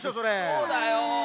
そうだよ。